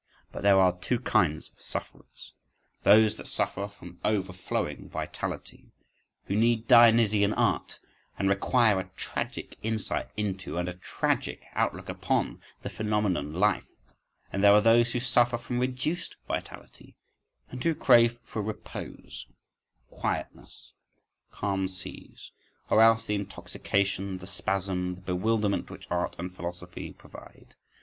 But there are two kinds of sufferers:—those that suffer from overflowing vitality, who need Dionysian art and require a tragic insight into, and a tragic outlook upon, the phenomenon life,—and there are those who suffer from reduced vitality, and who crave for repose, quietness, calm seas, or else the intoxication, the spasm, the bewilderment which art and philosophy provide.